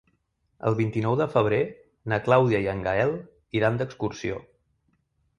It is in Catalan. El vint-i-nou de febrer na Clàudia i en Gaël iran d'excursió.